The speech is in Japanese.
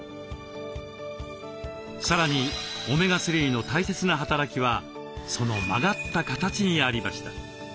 さらにオメガ３の大切な働きはその曲がった形にありました。